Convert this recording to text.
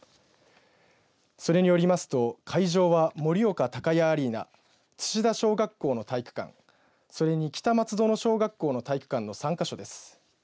それによりますと、会場は盛岡タカヤアリーナ津志田小学校の体育館それに北松園小学校の体育館です。